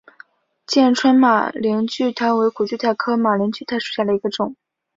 剑川马铃苣苔为苦苣苔科马铃苣苔属下的一个种。